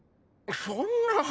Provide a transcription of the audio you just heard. そんな。